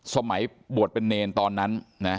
สมัยบวชเป็นเนรตอนนั้นนะ